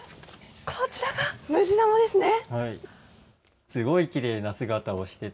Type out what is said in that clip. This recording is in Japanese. こちらがムジナモですね。